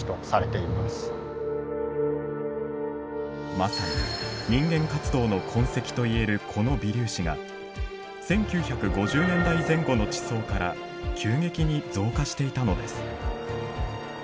まさに人間活動の痕跡と言えるこの微粒子が１９５０年代前後の地層から急激に増加していたのです。